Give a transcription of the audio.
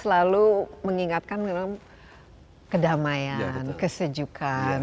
kalau profesional memang harus telinga ak coronavirus soalnya bisa sang istri bukan